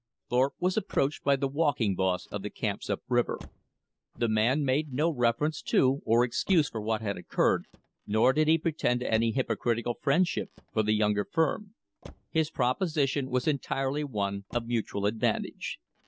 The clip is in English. Thorpe was approached by the walking boss of the camps up river. The man made no reference to or excuse for what had occurred, nor did he pretend to any hypocritical friendship for the younger firm. His proposition was entirely one of mutual advantage.